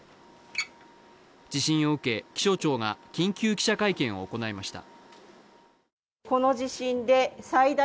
地震を受け気象庁が緊急記者会見を行いました。